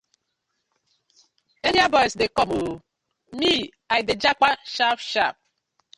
Area boys dey com ooo, me I dey jappa sharp sharp.